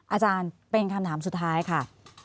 อาจารย์เป็นคำถามสุดท้ายค่ะ